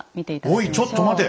おいちょっと待て。